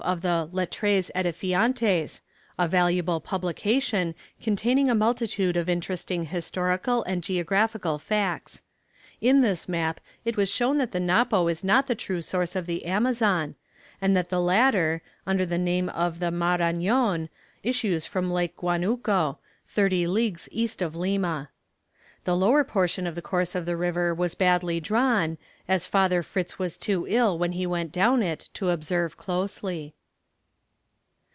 of the "Lettres Édifiantes," a valuable publication, containing a multitude of interesting historical and geographical facts. In this map it was shown that the Napo is not the true source of the Amazon, and that the latter, under the name of the Marañon, issues from Lake Guanuco, thirty leagues east of Lima. The lower portion of the course of the river was badly drawn, as Father Fritz was too ill when he went down it to observe closely.